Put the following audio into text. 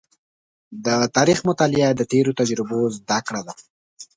د تاریخ مطالعه د تېرو تجربو زده کړه ده.